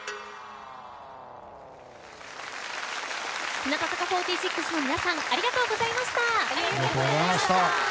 日向坂４６の皆さんありがとうございました。